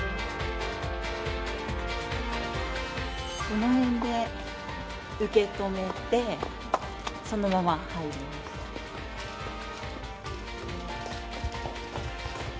この辺で受け止めてそのまま入りました。